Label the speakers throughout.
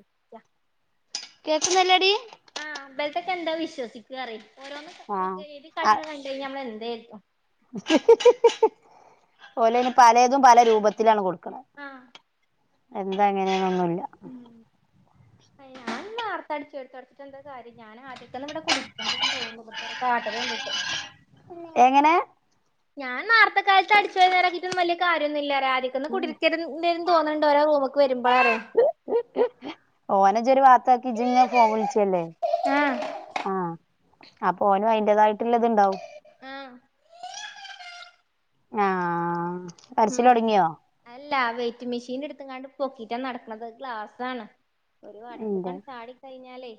Speaker 1: അച്ച [inaudible]
Speaker 2: കേട്ട നല്ലടി
Speaker 1: എന്താ വിശ്സിക്കാ പറ
Speaker 2: ആഹ ആ
Speaker 1: എന്ത് കരുതും
Speaker 2: അപലെ ഇനി പലതും പല രൂപത്തിലാണ് കൊടുക്കണ
Speaker 1: ആ
Speaker 2: എന്താ അങ്ങനെയാണ് നമ്മ
Speaker 1: ഉം അയാണ് വാർത്ത അടിച്ചു എടുത്ത്ടുത്തിട്ട് എന്താ കാര്യം ഞാ ആദ്യന്ന് ഇവിടെ കുളിക്ക തോന്നുന്നു ഇത്തെ കാട്ട കണ്ടിട്ട്
Speaker 2: എങ്ങനെ
Speaker 1: ഞാൻ നാർത്തെ കാലത്ത് അടിച്ചു വ ഇറക്കിട്ടന്ന വിയ കാര്യന്നുമ ഇല്ല ആക്കൊന്ന് കുടിത്തി തോന്നണ്ടഓരാ റൂമക്ക് വരുമ്പോറേ
Speaker 2: ഓനജ ഒരു വാർത്ത ആാക്കിജിങ്ങ ഫോൻ വിളിച്ചല്ലേ
Speaker 1: ആഹ്
Speaker 2: ആഹ അപ്പോ ഓനും അയിന്റേതായിട്ടുള്ള ഇത്ണ്ടാവും
Speaker 1: ആഹ
Speaker 2: ആഹ
Speaker 1: ഉം അല്ല വെയിറ്റ് മെഷീൻ എടുത്ത കാണ്ട് പൊക്കിട്ടാ നടക്കുന്നത് ഗ്ലാസാണ് ഒരു അത്ത
Speaker 2: ഇന്റെ
Speaker 1: കൺ ചാടിിക്കഴിഞ്ഞാലേ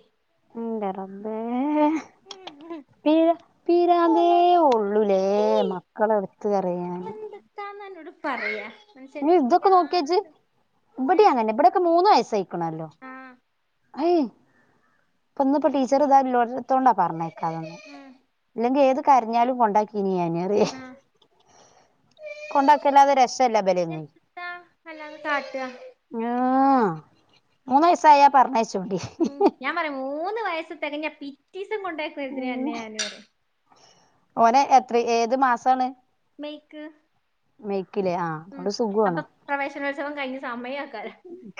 Speaker 2: പിത പിരാങ്ങേ ഉള്ളൂലേ മക്കള എടുത്ത് കറിയൻ
Speaker 1: എന്തുട്ടാന്ന് എന്നോട് പറയാ മനുഷ്യെ തിരാ
Speaker 2: ഇബടെ അങ്ങല്ലെ ഇവിടെൊക്കെ മൂന്നന്ന് വയസായിക്കണല്ലോ
Speaker 1: ആഹ്
Speaker 2: യ് ഇപ്പൊ ഇന്നിപ്പോ ടീച്ചർ ഇതാല്ലോത്തോണ്ടാ പറഞ്ഞേക്കാതന്ന്
Speaker 1: ഉം
Speaker 2: ഇല്ലെങ്കിൽ ഏത് കഞ്ഞാലും കൊണ്ടാക്കീന അറിയേ
Speaker 1: ആഹ്
Speaker 2: കൊണ്ടാക്കല്ലാതെ രസല്ല ബല
Speaker 1: അല്ലാന്ന് കാട്ടുക
Speaker 2: ആ മൂന്ന് വയസായാ പറഞ്ഞയച്ചോണ്ടി
Speaker 1: ഉം ഞാൻ പറയും മൂന്ന് വയസ തകഞ്ഞ ഞാ പിറ്റീസം കൊണ്ടയിക്കരുതിന്നെയ ഞാനര്
Speaker 2: അത്ര ഏത് മാസമാണ്
Speaker 1: മൈക്ക്
Speaker 2: ആഹ്
Speaker 1: ഉം
Speaker 2: അതോണ്ട് സുഖാണ്
Speaker 1: അപ്പൊ പ്രവേശനോത്സവം കഴിഞ്ഞ സമയം ആക്കാല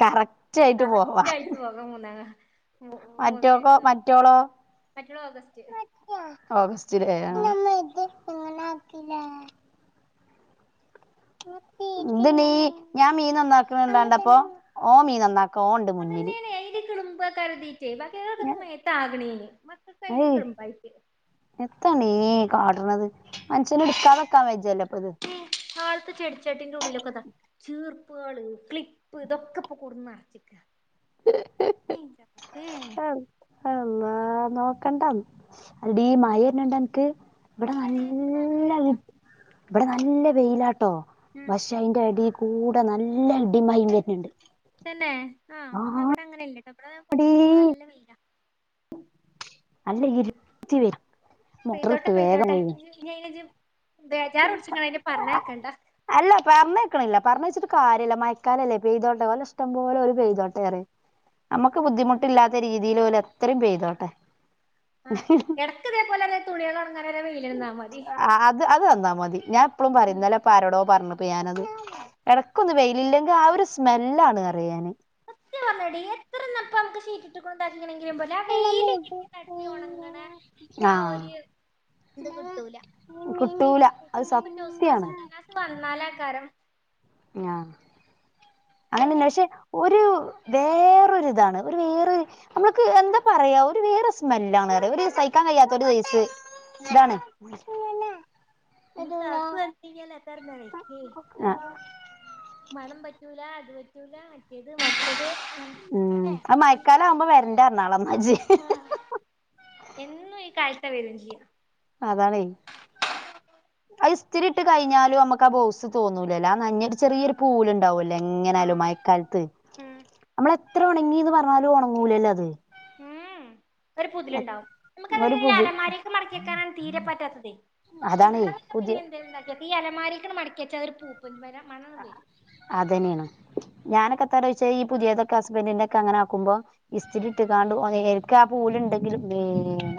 Speaker 2: കറക്റ്റ് ആയിട്ട് പോവാ
Speaker 1: കറച്ചി ആയിട്ടു പോക മന്നാ
Speaker 2: മറ്റോക്കോ മറ്റോളോ
Speaker 1: മറ്റുള്ള ഓഗസ്റ്റ്
Speaker 2: ഓഗസ്റ്റിലങ്ങ
Speaker 1: ഉം
Speaker 2: ഇതി നീ ഞാൻ മീൻ ഒന്നാക്കണ്ടാണ്ടപ്പോൊ ഓ മീൻ ഒന്നാക്കും കോണ്ട് മുന്നിൽ
Speaker 1: ഉപ്പകതി ചാക്കക്ക താഗണ മക്ക കൈല
Speaker 2: ഏയ്
Speaker 1: കും പ
Speaker 2: കാടണത് മനുഷ്യന എടുക്കാ വെക്കാൻ വചല്ലോ ഇപ്പൊ ഇത്
Speaker 1: കാലത്തെ ചെടിച്ചാട്ടിന്റെ ഉള്ളിലൊക്കെതാ ചീർപ്പുകള് ക്ലിപ്പ് ഇതൊക്കെ ഇൊ കുൂർന്നാണ് ിക്ക [unintelligible]
Speaker 2: ആ ആഹ നോക്കണ്ട അതിടീ മായന്നണ്ട എനിക്ക് ഇവിടെ
Speaker 1: ഇല്ലടി ഇവിടെ
Speaker 2: നല്ല
Speaker 1: വെയിലാ
Speaker 2: ഇവിടെ നല്ല വെയിലാട്ട കേട്ടോ
Speaker 1: ഉം
Speaker 2: പക്ഷെ അതിന്റെ അടിൽ കൂടെ നല്ല അടി മൈ വരുന്നുണ്ട്
Speaker 1: തന്നെ ആ ന്നവ്ടെ
Speaker 2: ആടീ
Speaker 1: അങ്ങനെ ഇല്ലട്ടോ ഇവടേ കൊർച്ചൂസം നല്ല വെയ്‌ല
Speaker 2: നല്ല ഇിരിത്തി വര
Speaker 1: പെയ്തോട്ടെ പെയ്തോട്ടെ അയ്നെഇജ് ബേജാറുടിച്ചിങ്ങ അയ്നെ പറഞ്ഞേക്കണ്ടാ
Speaker 2: പറഞേച്ചിട്ട് കാര്യല്ല മയക്കാലല്ലേ പെയ്തോട്ട ഓലെ ഇഷ്ടപോലെ ഓല് പെയ്തോട്ടേ റെ നമ്മുക്ക്
Speaker 1: ഉം
Speaker 2: ബുദ്ധിമുട്ടില്ലാത്ത രീതിൽ ഓല് എത്രയും പെയ്തോട്ടെ
Speaker 1: പ്പ വല്ലാതെ തുണിൾഒണങ്ങാൻ വെയില്
Speaker 2: ആ അത് അത് തന്നാ മതി ഞാപ്പളുംപറിം
Speaker 1: ഉം
Speaker 2: ന്നലെപ്പ ആരോടോ പറഞ് പ്പ ഞാനത് എടക്കൊന്ന് വെയിലില്ലെങ്കിൽ ആ ഒരു സ്മെല്ലാണ് അറിയാന്
Speaker 1: സത്യംപറഞ്ഞടി എത്രനപ്പൻക് ഷീറ്റ്ട്ട്ക്ക്‌ണ് എങ്ങനെങ്കിലുംപൊട്ടെ ആ വെയിൽകിട്ടിതട്ടി ഒണങ്ങണ
Speaker 2: ആഹ്
Speaker 1: ആഒര് ത് തൂല
Speaker 2: കിട്ടൂല അത്
Speaker 1: ഇഞ്പ്പന്റെ ഒസ്‌വാസ്
Speaker 2: സത്യാണ്
Speaker 1: തന്നേ വന്നാലആകാര
Speaker 2: ആ
Speaker 1: അതിന്
Speaker 2: അങ്ങനെന്ന പഷെ ഒരു വേറൊരുരിതാണ് ഒരു വേറൊരു മ്മൾക്ക് എന്താപറയാ ഒരു വേറെ സ്മെല് ല്ലാണ് ഒരു
Speaker 1: ആഹ്
Speaker 2: സഹിക്കാൻ കയ്യാത്തത് ഒര്സൈസ് താണ്
Speaker 1: നീ [unintelligible]
Speaker 2: ആഹ്
Speaker 1: അയ്‌നു മണം പ റ്റൂല അത്പറ്റുല
Speaker 2: ഉം അഹ് മയക്കാലാവുമ്പോ വരണ്ടന്നർഞാള ഇന്നഇജ്
Speaker 1: എന്നു ഈ കാൽത വെരുംചെയ്യാ
Speaker 2: അതാണെ അഹ് ഇസ്തിരിട്ട് കഴിഞ്ഞാലു മ്മക്ക്ആ ബൗസ് തോന്നൂലല്ലോ അ നഞ്ഞത് ചെറിയൊരു പൂലുണ്ടാവൊ എങ്ങനായാലും
Speaker 1: ആഹ്
Speaker 2: മഴക്കാലത്ത്
Speaker 1: ഉം
Speaker 2: നമ്മളെത്ര ഉണങ്ങിന്ന് പറഞ്ഞാലും ഒണങ്ങൂലല്ലോ അത്
Speaker 1: ഉം ഒരു പുതിലുണ്ടാവും
Speaker 2: ഒരു
Speaker 1: നമ്മക്കഹ്
Speaker 2: പുതി
Speaker 1: അലമാരേക്ക്മടക്കിക്കാൻ തീരെ പറ്റാത്തത്
Speaker 2: അതാണേ
Speaker 1: ഇട്ന്നതൊക്കെ
Speaker 2: പുതിയ
Speaker 1: പിന്നെന്തേലും കാട്ടിക്ക ഈ അലമാരിക് മടിക്കിച്ച ഒരു പൂപ്പൽവര
Speaker 2: അതന്നെണ് ഞാനക്ക ത്രറേചെയ് ഈ പുതിയതൊക്കെ ഹസ്ബൻന്റിന്റെ ഒക്കെ അങ്ങെ ആക്കുമ്പോ ഇസ്രി ഇട്ട കാണ്ട് എനിക്ക് ആ പൂലുണ്ടെങ്കിലും ഏ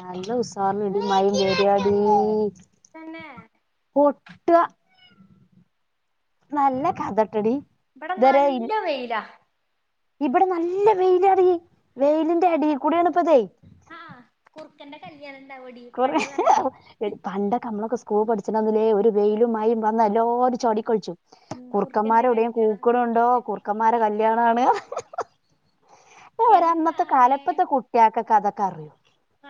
Speaker 2: നല്ല ഉസാർല് ഇടിമയിം വരാടി
Speaker 1: തന്നെ
Speaker 2: ഒട്ട നല്ല കഥട്ടടി
Speaker 1: ഇവടെ നല്ല വെയിലാ
Speaker 2: ഇബടെ നല്ല വെയിലാടി വെയിലിന്റെ എടെകുടെണ് ഇപ്പതെ
Speaker 1: ആ അ കുറുക്കന്റെ കല്യാണ
Speaker 2: കൊറെ എടി പണ്ടൊക്കെമ്മളൊക്ക സ് സ്കൂൾ പഠിച്ചണന്ന്ല്ലേ ഒരു വെയിലും മഴ വന്ന എല്ലാരും ചാടികളിച്ചും
Speaker 1: ഉം കുറുക്കന്റെ
Speaker 2: കുറുക്കമ്മാരെഒവിടേം
Speaker 1: കല്യാണം
Speaker 2: കൂക്കണുണ്ടോ
Speaker 1: കുറുക്കന്റെ
Speaker 2: കുറുക്കമ്മാരെ കല്യാണാണ് ഞ പറയാ അന്നത്തെകാല
Speaker 1: എന്നാലേ
Speaker 2: പ്പത്തെകുട്ടിയക്കൊക്കെ അതൊക്കെ അറിയോ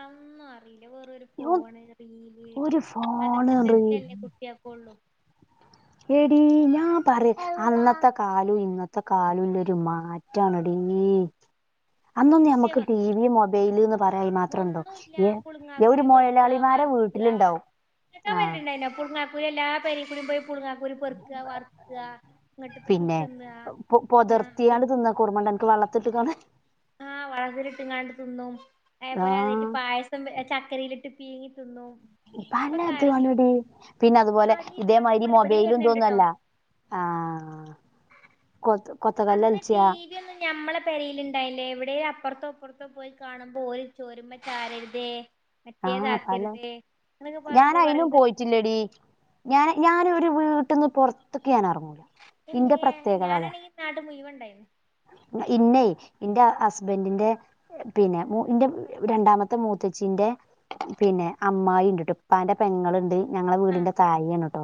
Speaker 1: അന്നൊറി ന്റെ വേറൊരു ഫോണ് റീല്
Speaker 2: ഒരു ഫോണ്
Speaker 1: അതൊക്കെ
Speaker 2: റീൽ
Speaker 1: തന്നെല്ലെ കുട്ടിയകൊള്ളൂ
Speaker 2: എടീ ഞാപറിയ അന്നത്തെകാലും ഇന്നത്തെകാലും ഇല്ലരു മാറ്റണടീ ഉം അന്നൊന്ന്
Speaker 1: സത്യം
Speaker 2: നമ്മുക്ക് ടി
Speaker 1: പറഞ്ഞ
Speaker 2: വി മൊബൈല്ന്ന്പറയാഅയ്‌നുമാത്രണ്ടോ
Speaker 1: ഒന്നുല്ല
Speaker 2: ഏ യവര്
Speaker 1: പുളുങ്ങാക്കുരു
Speaker 2: മൊലാളിമാ ര വീട്ടില്ണ്ടാവും
Speaker 1: എക്കാൻ വരുന്ണ്ടാനി പുൾങ്ങാക്കുര് എല്ലാപെരകൂടിം പോയി പുളുങ്ങാക്കുരു പെറുക്കുക വറുക്കുക ഇങ്ങട്ട്
Speaker 2: പിന്നെ
Speaker 1: ചുട്ടുന്ന ആഹ്
Speaker 2: പൊതിർത്തിയാണ്ട് തിന്നാക്കോർമ്മണ്ടൊ അൻക്ക് വള്ളത്തിട്ട്ക്കാണ്
Speaker 1: ആ ആ വളതിലിട്ട്ങ്ങാണ്ട് തിന്നും അയേപോലെ അതേറ്റ്
Speaker 2: ആഹ്
Speaker 1: പായസം ചക്കരയിലിട്ട് പീങ്ങി തിന്നും
Speaker 2: ഇപ്പ അല്ല
Speaker 1: ഇപ്പൊക്കെ ആരെങ്കിലും
Speaker 2: ഇതവാണടി പിന്നെ അത്പോലെ
Speaker 1: ആടി ഇജ്ജ് പറഞ്ഞ
Speaker 2: ഇതേമായ്‌രി
Speaker 1: പോലെ ഇബടിം
Speaker 2: മൊബൈലും
Speaker 1: വര്ന്ണ്ട് ട്ടോ
Speaker 2: തൊന്നല്ല [unintelligible]
Speaker 1: അന്ന് ടി
Speaker 2: കളിച്ചാ
Speaker 1: വി ഒന്നും ഞമ്മളെ പരേൽണ്ടായില്ലേ എവിടെ അപ്പറ പുറത്തോപ്പുറത്തോ പോയി കാണുമ്പോ ഒരു ചോരുമ ചാരരുതേ
Speaker 2: ആഹ പല
Speaker 1: മറ്റേതാക്കരുത് എന്നൊക്കെ പറയുമ്പോ
Speaker 2: ഞാനയിനും
Speaker 1: പറയുമ്പോ
Speaker 2: പോയിട്ടില്ലടിഞൻ ഞാന ഒരു വീട്ട്ന്ന് പുറത്ത് ൻറങ്ങൂല ഇന്റെ
Speaker 1: ഇമ്മേ അങ്ങ്
Speaker 2: പ്രത്യേകത അതാ
Speaker 1: ഞാനാണെങ്കി നാട്ട് മുഴുവൻ ഇണ്ടായിന്നു
Speaker 2: ഇന്നെ എന്റെ ഹസ്ബൻറിന്റെ പിന്നെ മ ഇന്റെ രണ്ടാമത്തെ മൂത്തച്ച്ചിന്റെ പിന്നെ അമ്മായി ഉണ്ട് ഉപ്പാന്റെ പെങ്ങളുണ്ട് ഞങ്ങളെ
Speaker 1: ആഹ്
Speaker 2: വീടിന്റെ തായിണ് കേട്ടോ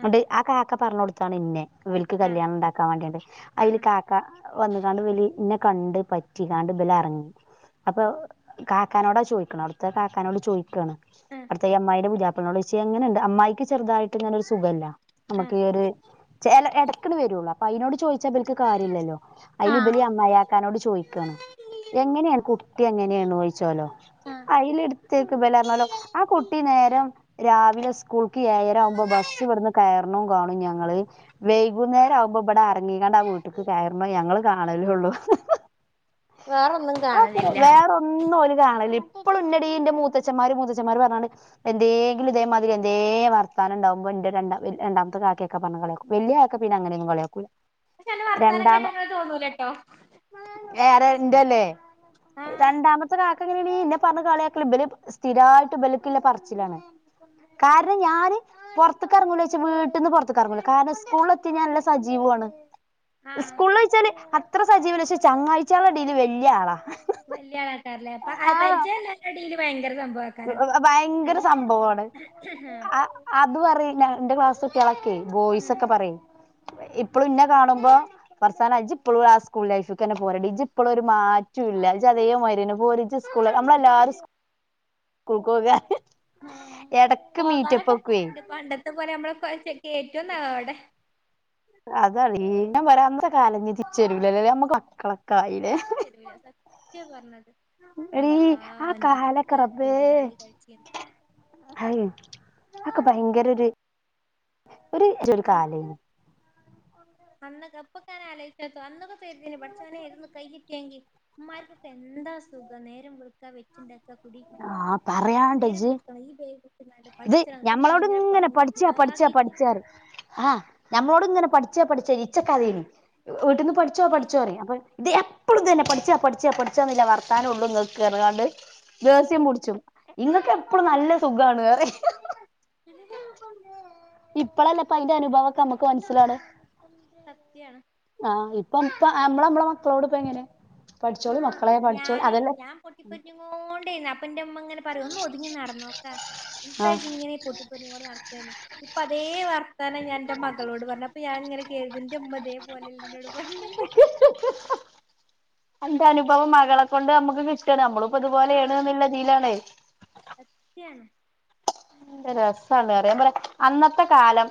Speaker 1: ആഹ്
Speaker 2: അണ്ട് ആ കാക്ക പറഞ്ഞ കൊടുത്താണ് ഇന്നെ വിൽക്ക്
Speaker 1: ആഹ്
Speaker 2: കല്യാണം ഉണ്ടാക്കാൻ വേണ്ടിണ്ട് അതിൽ
Speaker 1: ആഹ്
Speaker 2: കാക്ക വന്ന കാണ്ട് വലി ഇന്നെ കണ്ട് പറ്റിക്കാണ്ട് വില ഇറങ്ങി അപ്പൊ കാക്കാനോടാ ചോദിക്കണ അവിടുത്തെ ക കാരനോട് ചോദിക്കുവാണ്
Speaker 1: ആഹ്
Speaker 2: അവിത്തെ അമ്മായിന്റെ പുതിയാപ്പളനോട് ചേയ്ച്ചാണ് എങ്ങനെണ്ട് അമ്മായിക്ക് ചെറുതായിട്ട് ഇങ്ങനൊ ഒരു സുഖമല്ല നമുക്ക് ഈ ഒരു എടക്കി വരുള്ളൂ അപ്പൊ അതിനോട് ചോദിച്ചാ ബൽക്ക് കാര്യല്ലല്ലോ
Speaker 1: ആഹ്
Speaker 2: അയില്
Speaker 1: ആഹ്
Speaker 2: ബല് അമ്മായി ക്കാനോട് ചോദിക്കാണ് എങ്ങനെയാണ് കുട്ടി എങ്ങനെയാണ് ചോദിച്ചാലോ [unintelligible] ക്ക് ബെലർ ഞ്ഞല്ലോ ആ കുട്ടി നേരം രാവിലെ സ്കൂൾക്ക് ഏയരാ ആകുമ്പോ ബസ് ഇവടന്ന് കയറ കാണും ഞങ്ങള് വൈകുന്നേരം ആവുമ്പോ ഇവിടെ എറങ്ങി കാണ്ട് വീട്ടിക്ക് കയറ്ണ ഞങ്ങള് കാണല്ള്ളൂ
Speaker 1: വേറൊന്നും
Speaker 2: [unintelligible]
Speaker 1: കാണലില്ല
Speaker 2: വേറൊന്നുംല കാണല്ല ഇപ്പോഴ [unintelligible] മൂത്തഛന്മാര് മൂത്തച്ഛമാര് പറഞ്ഞാണ് എന്തെങ്കിലും ഇതേമാതിരി എന്തേ വർത്താനം ഉണ്ടാവകുമോ എന്റെ രണ്ട [unintelligible] രണ്ടാത്തെ കാക്കക്കൊക്ക പറഞ്ഞ കളും വല്യ കാക്ക പിന്നെ അങ്ങനെന്നും കളി ആക്കൂല
Speaker 1: പക്ഷെന്റെ അന്റെ വർത്താനം കേട്ടാങ്ങനെ തോന്നൂലട്ടോ
Speaker 2: വേറെ എന്റെല്ലേ
Speaker 1: ആഹ്
Speaker 2: രണ്ടാമത്തെ കാക്ക എങ്ങനെന്നെ പറഞ്ഞ കളിയാക്കല സ്ഥിരായിട്ട് ബലുക്കില്ല പറച്ചിലാണ് കാരണം ഞാൻ പുറത്തക്ക് ഇറങ്ങൂല വീട്ടീന്ന് പുറത്ത ഇറങ്ങൂ കാരണം സ്കൂള എത്തി ഞാൻ നല്ല സജീവവും [unintelligible]
Speaker 1: ആഹ്
Speaker 2: സ്കൂളിൽ വഴച്ചാല് അത്ര സജീവില്ല പക്ഷെ ചങ്ങാഴ്ചകള ഇടൽ വല്യ ആളാ
Speaker 1: വലിയ ആൾക്കാല്ലേ അപ്പ
Speaker 2: ആഹ്
Speaker 1: പരിചയംടയില് ഭയങ്കര സംഭവം
Speaker 2: ഭയങ്കര സംഭവമാണ് അത് പറ ന്റെ ക്ലാസ് [unintelligible] [unintelligible] ബോയ്സ് ഒക്കെ പറയും ഇപ്പോളും ന്നെ കാണുമ്പോ ഫർസാന ജ് ഇപ്പോളും ആ സ്കൂൾ ലൈഫിൽ തന്നെ പോരണ്ട് ഇജി ഇപ്പോഴും ഒരു മാറ്റ [unintelligible] അതേ മായിരിന്നേ പോര് സ്കൂള് നമ്മളെല്ലാവാരും സ്കൂൾ പ [unintelligible]
Speaker 1: മ് പോകാനൊക്കെപൂതി
Speaker 2: വെക്കുവേ
Speaker 1: ണ്ട് പണ്ടത്തെ പോലെ നമ്മള് [unintelligible] എന്ന വ്ടെ
Speaker 2: അതാണ് ന വരാ അന്നത്തെ കാലം ഞ്ഞി തിരിച്ച് വരില്ലലെ നമ്മക്ക് മക്കളെ
Speaker 1: സത്യം പറഞ്ഞത്
Speaker 2: എടി
Speaker 1: അള്ളാ
Speaker 2: ആകാലൊക്കെ
Speaker 1: എന്തൊക്കെ
Speaker 2: റബ്ബേ
Speaker 1: കുതിരാളി കഴിച്ചീന്ന്
Speaker 2: അത് അക്കെ ഭയങ്കര ഒരു ഒരു കാലയ്നി
Speaker 1: അന്ന് അപ്പക്കാന് ആലൊയിച്ച അന്നൊക്കെ കര് തീനി പടച്ചോനെനെ ഇതൊന്ന് കൈഞ്ഞ് കിട്ടിയെങ്കി മാർക്കൊക്കെ എന്താ സുഖം നേരം വെച്ചിണ്ടാക്ക കുടി കുത്തര്ക്ക
Speaker 2: ആഹ്
Speaker 1: നേരം
Speaker 2: പറയാണ്ടജ്ജ്
Speaker 1: വെളുത്ത ഈ [unintelligible]
Speaker 2: എന്നെ പഠിച്ചാ പഠിച്ചാ
Speaker 1: പിരാഗിട്ട്
Speaker 2: പഠിച്ചാ ആ
Speaker 1: ഉം
Speaker 2: നമ്മളോട്ങ്ങനെ പ [unintelligible] ച്ച പഠിച്ചോ ഇച്ചക്കഥയിനി വീട്ടിന്ന് പഠിച്ചോ പഠിച്ചോ അപ്പൊ ഇത് എപ്പോഴും തന്നെ പഠിച്ചാ പഠിച്ചാ പഠിച്ചാ എന്നില്ല വർത്താനമ ഉള്ളൂ ങ്ങൾക്ക് പറഞ്ഞ്ങ്ങാണ്ട് ദേസ്യം പുടിച്ചും ഇങ്ങൊക്ക എപ്പഴും നല്ല സുഖാണ് പറിം ഇപ്പളല്ലേപ്പ അയിന്റെ അനുഭവൊക്കെ നമ്മുക്ക് മനസ്സിലാണ്
Speaker 1: സത്യാണ്
Speaker 2: ആ ഇപ്പ ഇപ്പ നമ്മള നമ്മളെ മക്കളോട് ഇപ്പ എങ്ങനെ
Speaker 1: ആ
Speaker 2: പഠിച്ചോളി മക്കളെ പഠിച്ചോളി
Speaker 1: ഞാന്
Speaker 2: അതല്ലേ
Speaker 1: ഞാൻ പൊട്ടിപ്പൊറ്റോണ്ടന്ന അപ്പൊ എന്റെമ്മ ഇങ്ങനെ പറയ് ഒന്ന് ഒതുങ്ങി നടന്നോക്കെ
Speaker 2: ആഹ്
Speaker 1: എന്താച്ച ഇങ്ങനെ പൊട്ടിപ്പൊര്ഞ്ഞ്കൊണ്ട് നടക്ക്നത് ഇപ്പൊ അതേ വർത്താനം ഞാൻന്റെ മകളോട് പറഞ്ഞു അപ്പൊ ഞാൻ അങ്ങനെ കെര്തും ന്റെമ്മതേ പോലെല്ലിന്നോട് പറന്നീനി
Speaker 2: എന്റെ അനുഭവം മകളെ കൊണ്ട് നമുക്ക് കിട്ടണ്
Speaker 1: ആഹ്
Speaker 2: നമ്മളിപ്പോതുപോലുള്ളതിലാണ്
Speaker 1: സത്യാണ്
Speaker 2: എന്ത് രസാണ് റിയാൻ പറയാ അന്നത്തെ കാലം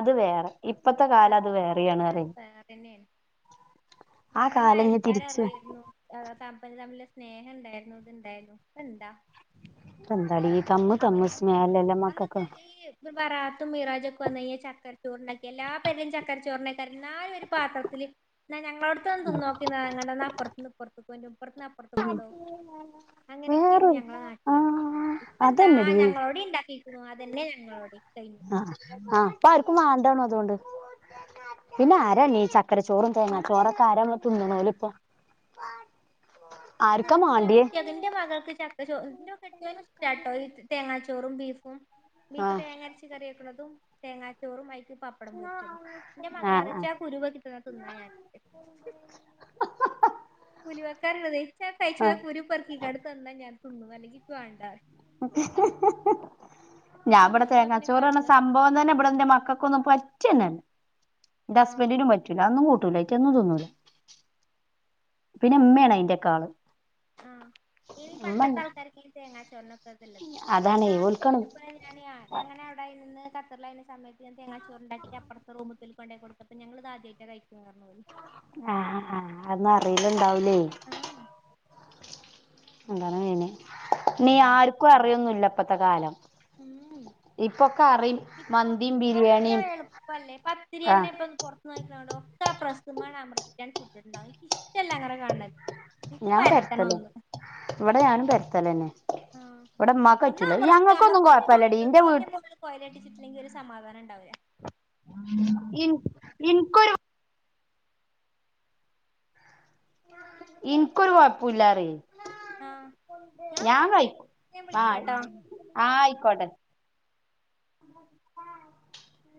Speaker 2: അത് വേറെ ഇപ്പത്തെ കാലം അത് വേറെയാണ് അറി
Speaker 1: അത് വേറെന്നെയാണ് അന്ന് അയൽക്കാരറിയരുന്നു തമ്മില് തമ്മില് സ്നേഹണ്ടായിരുന്നു ഇത് ഇണ്ടായിരുന്നു ഇപ്പ ഇണ്ടാ
Speaker 2: ന്താടി
Speaker 1: അവനാൻ തിന്ന് അന്നത്തെ ഈ ബറാത്തും മീറാജൊക്കെ വന്ന് ചക്കര പോർണക്ക എല്ലാ പേരിലും ചക്കര ചോർണ്ണേക്ക എന്നാലും ഒരു പാത്രത്തില് ഞങ്ങളോടെത്തെ ഒന്ന് തിന്ന് നോക്ക് ഞന്ന് അപ്പറത്തൂന്ന് ഇപ്പറത്തൊന്നു ഇപ്പറത്തൂന് അപ്പറത്ത
Speaker 2: വേറെ
Speaker 1: ഞങ്ങളെ നാട്ടില്
Speaker 2: ആ
Speaker 1: ഇപ്പ എന്താ ആ
Speaker 2: അതന്നെടി
Speaker 1: ഞങ്ങളോടെ ഇണ്ടാക്കിരിക്കണു അതന്നെ ഞങ്ങളോടെ കഴിഞ്ഞു
Speaker 2: താണൊ അതോണ്ട് പിന്നെ ആരാ ഈ ച ക്കര ചോറും തേങ്ങാ
Speaker 1: ഉം
Speaker 2: ചോറൊക്കെ ആരാ വെപ്പും തിന്ന് ണോലും ഇപ്പൊ ആർക്കാ
Speaker 1: ഇതൊന്നു
Speaker 2: മാണ്ടിയേ
Speaker 1: കുട്ട്യോകിന്റെ മകൾക്ക് ചക്കര ചോറ് ന്റെ കെട്ട്യോനിഷ്ട്ടാ തേങ്ങാ ചോ ങ്ങാ ചോറും ബീഫും
Speaker 2: ആ
Speaker 1: ബീഫ് തേങ്ങ അരച്ച് കറിവെക്കണൊതും തേങ്ങാച്ചോറും വൈ പപ്പടം പൊരിച്ചതും എന്റെ
Speaker 2: ആ
Speaker 1: മകൾ
Speaker 2: ആ
Speaker 1: അരച്ച കുരുവ കിട്ടതാ തിന്നാ ഞാൻ [inaudible] ഉലുവാക്കാറിണത് ഇച്ചത്
Speaker 2: ആ
Speaker 1: കൈച്ചും കുരു പൊർക്കിക്കാണ്ട് തന്നാ ഞാൻ തിന്നു അല്ലെങ്കിക്ക്‌ വേണ്ടാ
Speaker 2: [unintelligible] ഞാൻ ഇവിടെ
Speaker 1: എന്താ പിന്നെ
Speaker 2: തെങ്ങാച്ചോറണഞ്ഞ
Speaker 1: കാട്ടാ
Speaker 2: സംഭവം തന്നെ ഇവിടെ എന്റെ മക്കൾക്കൊന്നും പ റ്റന്നെ ന്റെ ഹസ്ബൻഡിനും
Speaker 1: ആഹ്
Speaker 2: പറ്റൂല അതൊന്നും കൂട്ടൂല റ്റം ഒന്നും തോന്നൂല പിന്നെമ്മയാണ് അയിന്റെക്കാള്
Speaker 1: ആ ഇനി പണ്ടത്തെ ആൾക്കാർക്ക് തേങ്ങാ ചോറിനൊക്കെ അതല്ല
Speaker 2: അതാണ് ഓൽക്കാണ്
Speaker 1: ന്നാള്പ്പതെപ്പോലെ ഞാന് ഞങ്ങളവിടെ ഇരുന്ന് ഖത്തറിലാരുന്ന സമയത്ത് തേങ്ങാ ചോ ഉണ്ടാക്കി അപ്പറത്തെ റൂമിൽ കൊണ്ടോയി കൊടുത്തപ്പ ഞങ്ങൾത് ആദ്യായിട്ടാ കഴി
Speaker 2: ആ ആ ആ അന്നും അറിയിലുണ്ടാവലേ
Speaker 1: ആഹ്
Speaker 2: എന്താണ് ണ്ണീ ആർക്കും അറിയൊന്നില്ല ഇപ്പത്തെ കാലം
Speaker 1: ഉം
Speaker 2: ഇപ്പൊക്കെ അറിം മന്തിയും ബിരിയാണിയും
Speaker 1: ഇപ്പല്ലേ പത്തിരിയന്നെ
Speaker 2: ആഹ്
Speaker 1: ഇപ്പൊ പുറത്തുന്ന് വായിക്കനാടോ ആ പ്രസ്മെണ് അമർത്തിയാണ് ചുറ്റിട്ടുണ്ടാവ എനിക്ക് ഇഷ്ടല്ല അങ്ങനെ കാണുണത്
Speaker 2: ഞാൻ പരത്തല ഇവിടെ ഞാനും പരുത്തലന്നെ ഇവിടെ ഉമ്മാക്ക്
Speaker 1: ഒന്ന
Speaker 2: പറ്റൂല
Speaker 1: അമർത്തി
Speaker 2: ഞങ്ങക്കൊന്നും
Speaker 1: അമർത്തി
Speaker 2: കൊഴപ്പല്ലടി
Speaker 1: ഒന്നും
Speaker 2: ഇന്റെ
Speaker 1: അതിന്റെ
Speaker 2: വീട്ട്
Speaker 1: മുകളിൽ കൊയലൊട്ടിച്ചിട്ടില്ലെങ്കിൽ ഒരു സമാധാനണ്ടാവില്ല
Speaker 2: ഉം ഇൻ ഇനിക്കൊരു ഇനിക്കൊരു കൊയപ്പുല്ലാറി
Speaker 1: ആ ഞാൻ
Speaker 2: ഞാ
Speaker 1: വരത്തില്ല
Speaker 2: കൈയിക്കും
Speaker 1: ഞാൻ
Speaker 2: ആ
Speaker 1: വിളിക്കാട്ടോ
Speaker 2: ആയിക്കോട്ടെ [unintelligible]